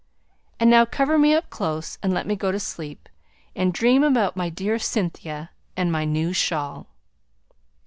And now cover me up close, and let me go to sleep, and dream about my dear Cynthia and my new shawl!"